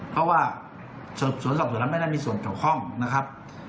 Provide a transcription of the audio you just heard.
เพราะว่าสืบสวนสอบสวนแล้วไม่ได้มีส่วนเกี่ยวข้องนะครับ